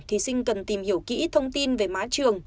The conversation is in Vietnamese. thí sinh cần tìm hiểu kỹ thông tin về má trường